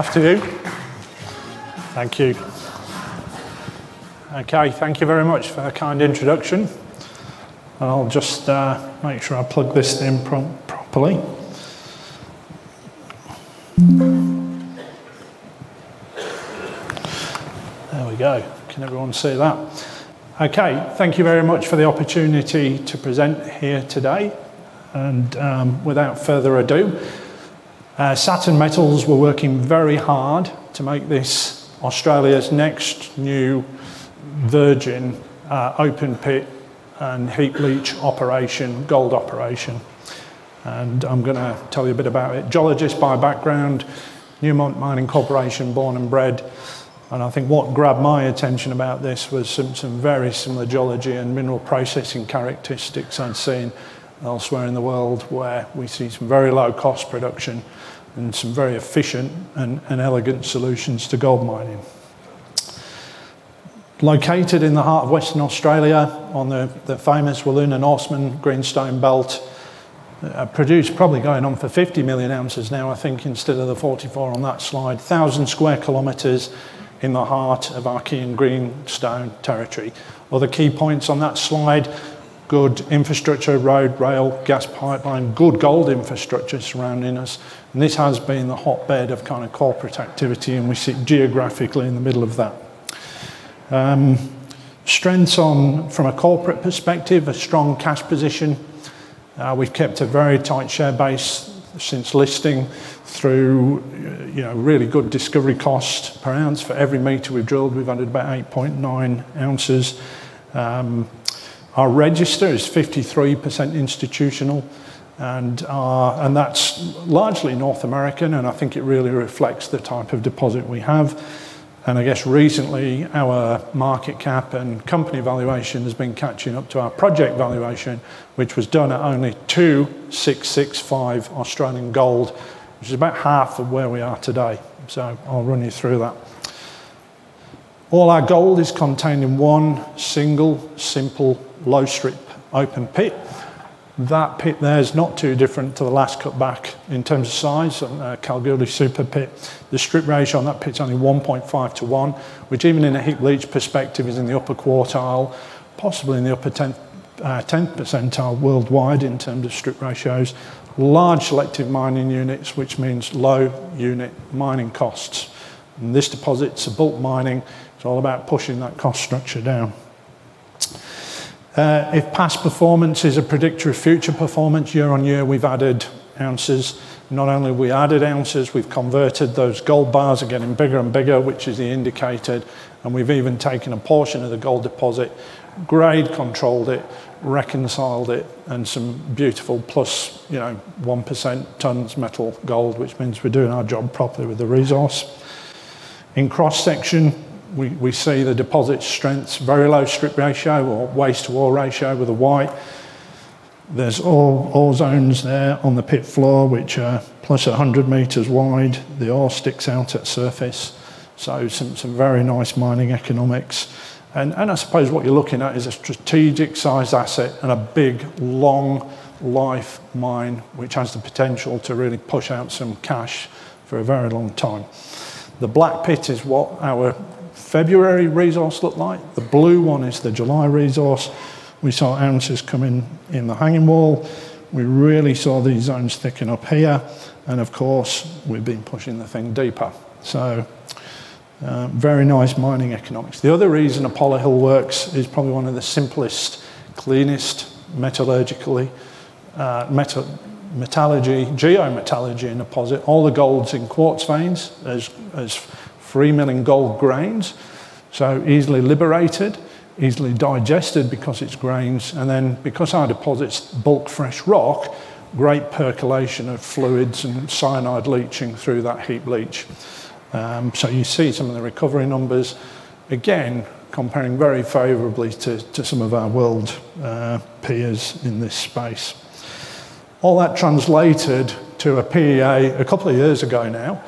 Thank you. Carrie, thank you very much for a kind introduction. I'll just make sure I plug this in properly. There we go. Can everyone see that? OK, thank you very much for the opportunity to present here today. Without further ado, Saturn Metals Limited were working very hard to make this Australia's next new virgin open pit and heap leach operation, gold operation. I'm going to tell you a bit about it. Geologist by background, Newmont Mining Corporation, born and bred. I think what grabbed my attention about this was some very similar geology and mineral processing characteristics I've seen elsewhere in the world, where we see some very low cost production and some very efficient and elegant solutions to gold mining. Located in the heart of Western Australia on the famous Greenstone Belt, produced probably going on for 50 million ounces now, I think, instead of the 44 on that slide. 1,000 square kilometers in the heart of Archean Greenstone territory. Other key points on that slide, good infrastructure, road, rail, gas pipeline, good gold infrastructure surrounding us. This has been the hotbed of kind of corporate activity. We sit geographically in the middle of that. Strengths from a corporate perspective, a strong cash position. We've kept a very tight share base since listing through really good discovery cost per ounce. For every meter we've drilled, we've added about 8.9 ounces. Our register is 53% institutional, and that's largely North American. I think it really reflects the type of deposit we have. I guess recently our market cap and company valuation has been catching up to our project valuation, which was done at only $2,665 Australian gold, which is about half of where we are today. I'll run you through that. All our gold is contained in one single simple low strip open pit. That pit there is not too different to the last cutback in terms of size, Calgary Super Pit. The strip ratio on that pit is only 1.5 to 1, which even in a heap leach perspective is in the upper quartile, possibly in the upper 10th percentile worldwide in terms of strip ratios. Large selective mining units, which means low unit mining costs. This deposit's a bulk mining. It's all about pushing that cost structure down. If past performance is a predictor of future performance year on year, we've added ounces. Not only have we added ounces, we've converted those gold bars, are getting bigger and bigger, which is the indicator. We've even taken a portion of the gold deposit, grade controlled it, reconciled it, and some beautiful plus, you know, 1% tons metal gold, which means we're doing our job properly with the resource. In cross section, we see the deposit strengths, very low strip ratio or waste to ore ratio with a white. There are ore zones there on the pit floor, which are plus 100 meters wide. The ore sticks out at surface. Some very nice mining economics. I suppose what you're looking at is a strategic size asset and a big long life mine, which has the potential to really push out some cash for a very long time. The black pit is what our February resource looked like. The blue one is the July resource. We saw ounces come in in the hanging wall. We really saw these zones thicken up here. We've been pushing the thing deeper. Very nice mining economics. The other reason Apollo Hill Gold Project works is probably one of the simplest, cleanest metallurgically, geometallurgy and deposit. All the gold's in quartz veins. There are 3 million gold grains. Easily liberated, easily digested because it's grains. Because our deposit's bulk fresh rock, great percolation of fluids and cyanide leaching through that heap leach. You see some of the recovery numbers again, comparing very favorably to some of our world peers in this space. All that translated to a PEA a couple of years ago now.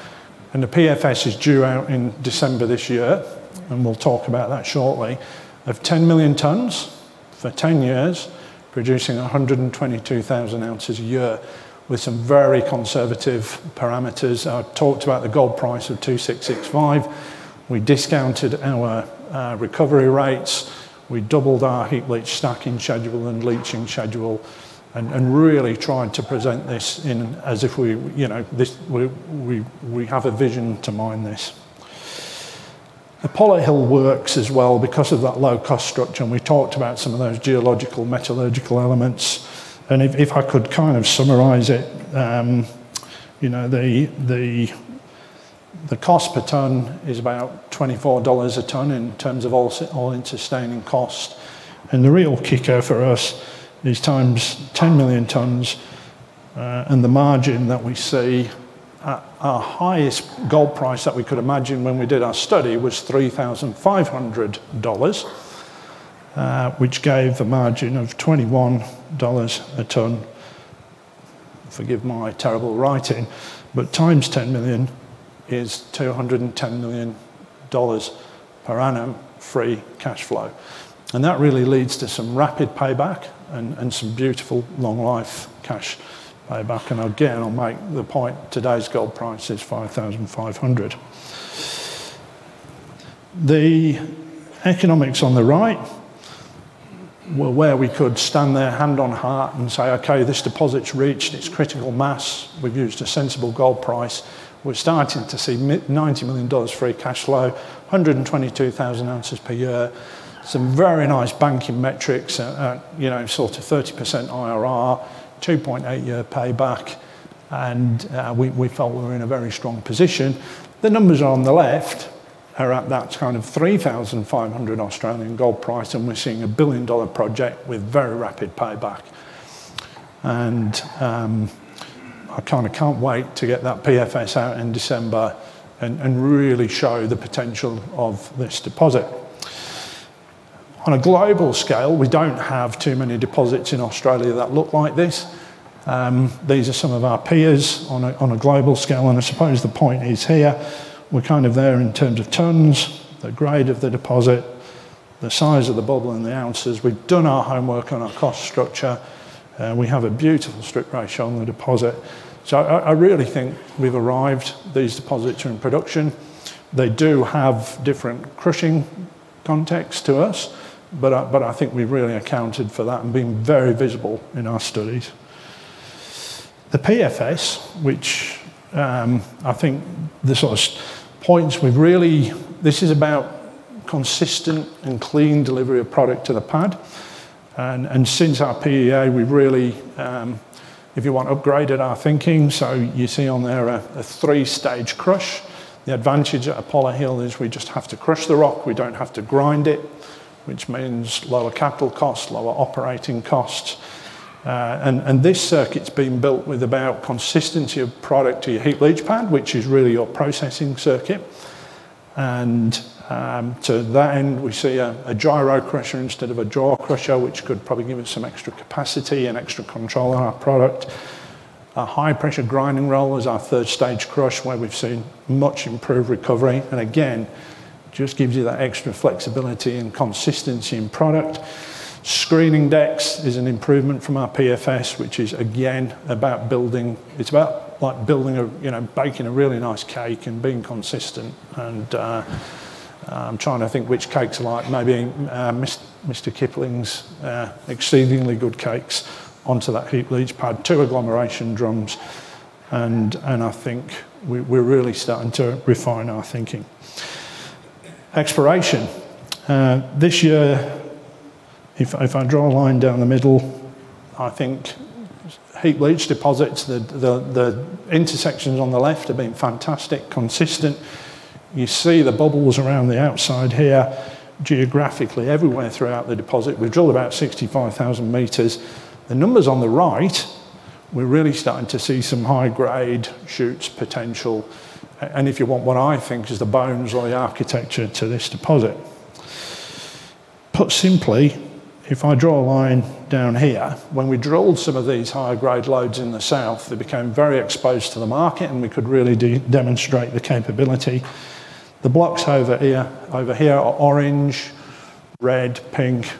The Pre-Feasibility Study is due out in December this year. We'll talk about that shortly. Of 10 million tons for 10 years, producing 122,000 ounces a year with some very conservative parameters. I talked about the gold price of $2,665. We discounted our recovery rates. We doubled our heap leach stacking schedule and leaching schedule. Really tried to present this as if we, you know, we have a vision to mine this. Apollo Hill Gold Project works as well because of that low cost structure. We talked about some of those geological metallurgical elements. If I could kind of summarize it, the cost per ton is about $24 a ton in terms of all-in sustaining cost. The real kicker for us is times 10 million tons. The margin that we see, our highest gold price that we could imagine when we did our study was $3,500, which gave a margin of $21 a ton. Forgive my terrible writing. Times 10 million is $210 million per annum free cash flow. That really leads to some rapid payback and some beautiful long life cash payback. I'll make the point today's gold price is $5,500. The economics on the right were where we could stand there, hand on heart, and say, OK, this deposit's reached its critical mass. We've used a sensible gold price. We're starting to see $90 million free cash flow, 122,000 ounces per year. Some very nice banking metrics, you know, sort of 30% IRR, 2.8 year payback. We felt we were in a very strong position. The numbers on the left are at that kind of $3,500 Australian gold price. We're seeing a billion dollar project with very rapid payback. I kind of can't wait to get that PFS out in December and really show the potential of this deposit. On a global scale, we don't have too many deposits in Australia that look like this. These are some of our peers on a global scale. I suppose the point is here, we're kind of there in terms of tons, the grade of the deposit, the size of the bubble and the ounces. We've done our homework on our cost structure. We have a beautiful strip ratio on the deposit. I really think we've arrived. These deposits are in production. They do have different crushing context to us. I think we've really accounted for that and been very visible in our studies. The PFS, which I think this sort of points we've really, this is about consistent and clean delivery of product to the pad. Since our PEA, we've really, if you want, upgraded our thinking. You see on there a three-stage crush. The advantage at Apollo Hill is we just have to crush the rock. We don't have to grind it, which means lower capital costs, lower operating costs. This circuit's been built with about consistency of product to your heap leach pad, which is really your processing circuit. To that end, we see a gyro crusher instead of a draw crusher, which could probably give us some extra capacity and extra control on our product. A high-pressure grinding roll is our third stage crush, where we've seen much improved recovery. It just gives you that extra flexibility and consistency in product. Screening decks is an improvement from our PFS, which is again about building. It's about like baking a really nice cake and being consistent. I'm trying to think which cakes are like, maybe Mr. Kipling's exceedingly good cakes onto that heap leach pad, two agglomeration drums. I think we're really starting to refine our thinking. Exploration. This year, if I draw a line down the middle, I think heap leach deposits, the intersections on the left have been fantastic, consistent. You see the bubbles around the outside here, geographically everywhere throughout the deposit. We've drilled about 65,000 meters. The numbers on the right, we're really starting to see some high grade shoots potential. If you want what I think is the bones or the architecture to this deposit, put simply, if I draw a line down here, when we drilled some of these higher grade lodes in the south, they became very exposed to the market. We could really demonstrate the capability. The blocks over here are orange, red, pink.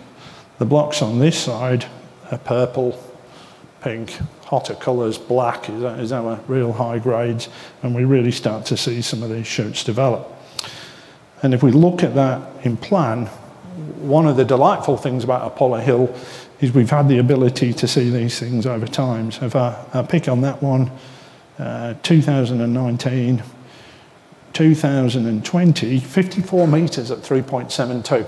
The blocks on this side are purple, pink, hotter colors, black. Is that a real high grade? We really start to see some of these shoots develop. If we look at that in plan, one of the delightful things about Apollo Hill Gold Project is we've had the ability to see these things over time. If I pick on that one, 2019, 2020, 54 meters at 3.72.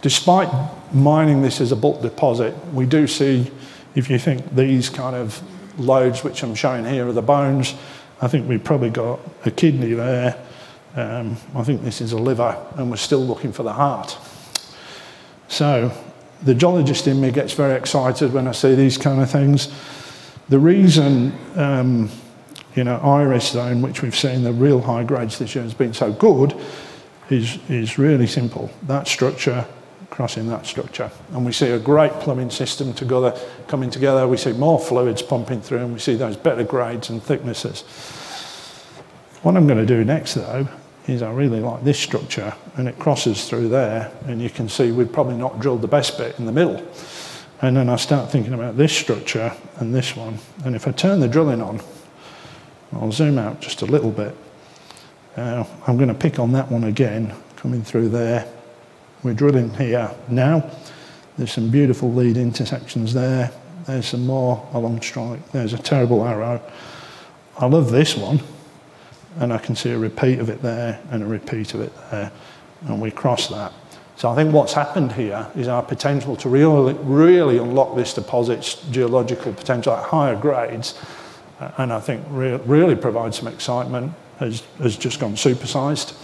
Despite mining this as a bulk deposit, we do see, if you think these kind of lodes, which I'm showing here are the bones, I think we've probably got a kidney there. I think this is a liver. We're still looking for the heart. The geologist in me gets very excited when I see these kind of things. The reason in our IRIS zone, which we've seen the real high grades this year has been so good, is really simple. That structure, crossing that structure. We see a great plumbing system coming together. We see more fluids pumping through. We see those better grades and thicknesses. What I'm going to do next, though, is I really like this structure. It crosses through there. You can see we've probably not drilled the best bit in the middle. I start thinking about this structure and this one. If I turn the drilling on, I'll zoom out just a little bit. I'm going to pick on that one again, coming through there. We're drilling here now. There's some beautiful lead intersections there. There's some more along strike. There's a terrible arrow. I love this one. I can see a repeat of it there and a repeat of it there. We cross that. I think what's happened here is our potential to really unlock this deposit's geological potential at higher grades. I think really provide some excitement has just gone supersized.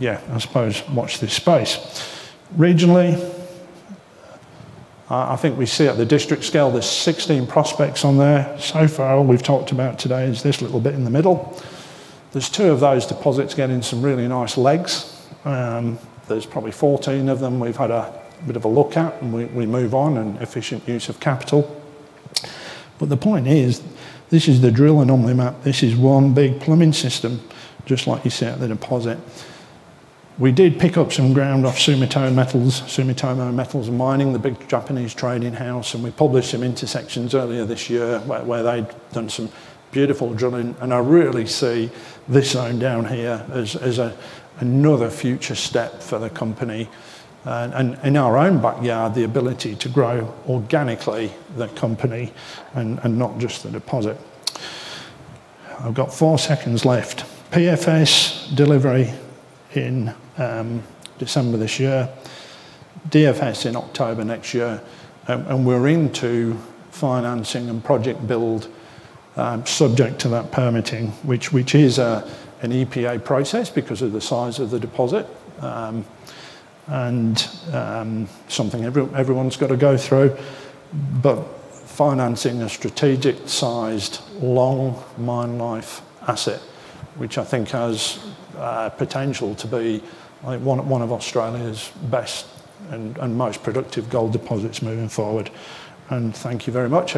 I suppose watch this space. Regionally, I think we see at the district scale, there's 16 prospects on there. So far all we've talked about today is this little bit in the middle. There's two of those deposits getting some really nice legs. There's probably 14 of them we've had a bit of a look at. We move on and efficient use of capital. The point is, this is the drill anomaly map. This is one big plumbing system, just like you see at the deposit. We did pick up some ground off Sumitomo Metal Mining, the big Japanese trading house. We published some intersections earlier this year where they'd done some beautiful drilling. I really see this zone down here as another future step for the company. In our own backyard, the ability to grow organically the company and not just the deposit. I've got four seconds left. PFS delivery in December this year. DFS in October next year. We're into financing and project build subject to that permitting, which is an EPA process because of the size of the deposit and something everyone's got to go through. Financing a strategic sized long mine life asset, which I think has potential to be one of Australia's best and most productive gold deposits moving forward. Thank you very much.